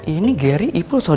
ini gary ipul soalnya ya